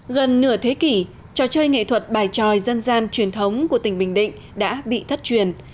gần nửa thế kỷ trò chơi nghệ thuật bài tròi dân gian truyền thống của tỉnh bình định đã bị thất truyền